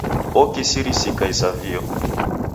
Okirisika isavio.